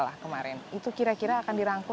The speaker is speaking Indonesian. lah kemarin itu kira kira akan dirangkul